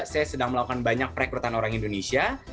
saya sedang melakukan banyak perekrutan orang indonesia